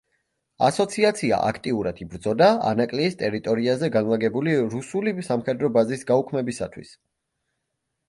ასოციაცია აქტიურად იბრძოდა ანაკლიის ტერიტორიაზე განლაგებული რუსული სამხედრო ბაზის გაუქმებისათვის.